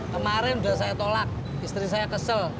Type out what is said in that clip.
kemarin sudah saya tolak istri saya kesel